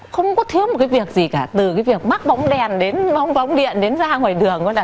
không có thiếu một cái việc gì cả từ cái việc mắc bóng đèn đến bóng bóng điện đến ra ngoài đường